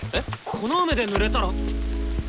この雨でぬれたら。